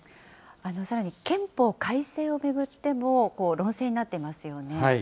さらに憲法改正を巡っても、論戦になっていますよね。